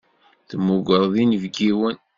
Temmugreḍ inebgiwen.